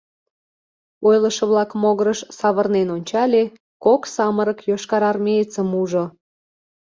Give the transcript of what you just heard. Ойлышо-влак могырыш савырнен ончале, кок самырык йошкарармеецым ужо.